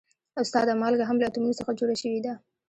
استاده مالګه هم له اتومونو څخه جوړه شوې ده